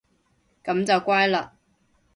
噉就乖嘞